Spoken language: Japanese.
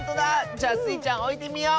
じゃあスイちゃんおいてみよう！